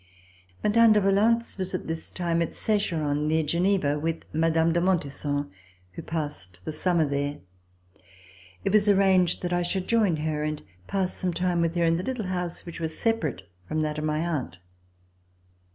Mme. de Valence was at this time at Secheron, near Geneva, with Mme. de Montesson, who passed the summer there. It was arranged that I should join her and pass some time with her in a little house which was separate from that of my aunt.